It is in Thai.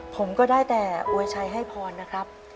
ผมก็ได้แต่อวยชัยให้พรนะครับ